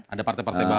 ada partai partai baru